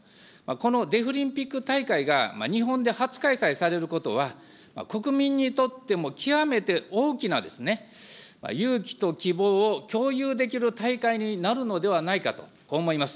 このデフリンピック大会が日本で初開催されることは、国民にとっても極めて大きな勇気と希望を共有できる大会になるのではないかと思います。